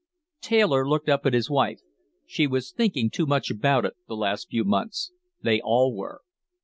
Taylor looked up at his wife. She was thinking too much about it, the last few months. They all were.